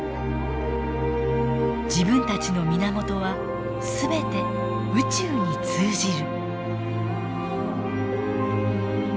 自分たちの源は全て宇宙に通じる。